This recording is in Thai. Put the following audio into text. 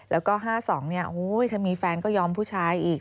แล้วก็๕๒ถ้ามีแฟนก็ยอมผู้ชายอีก